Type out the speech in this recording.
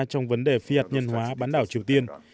trong vấn đề phi hạt nhân hóa bán đảo triều tiên